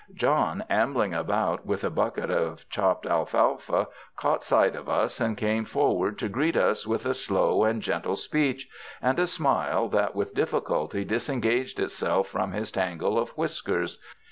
John, ambling about with a bucket of chopped alfalfa, caught sight of us and came forward to greet us with a slow and gentle speech and a smile that with difficulty disengaged itself from his tangle of whiskers.